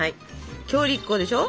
強力粉でしょ。